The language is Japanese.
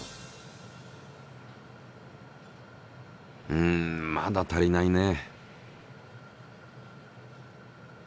うんまだ足りないね。